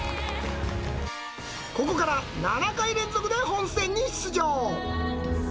ここから７回連続で本戦に出場。